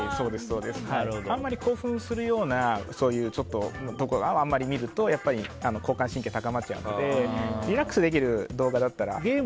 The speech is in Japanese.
あんまり興奮するような動画を見ると交感神経が高まっちゃうのでリラックスできる動画だったら。